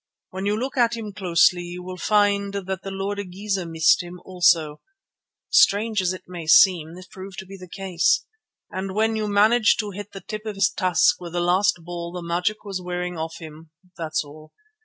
When you look at him closely you will find that the Lord Igeza missed him also" (strange as it may seem, this proved to be the case), "and when you managed to hit the tip of his tusk with the last ball the magic was wearing off him, that's all.